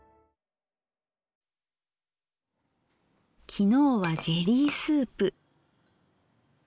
昨日はジェリースープ。